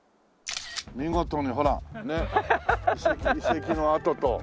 見事にほらねえ遺跡の跡と。